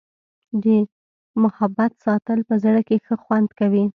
د محبت ساتل په زړه کي ښه خوند کوي.